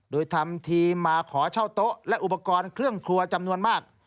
โดยทำทีมาขอเช่าโต๊ะและอุปกรณ์เครื่องครัวจำนวนมาก